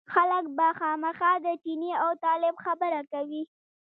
خلک به خامخا د چیني او طالب خبره کوي.